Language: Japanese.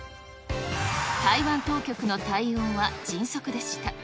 台湾当局の対応は迅速でした。